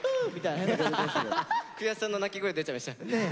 悔しさの鳴き声出ちゃいました。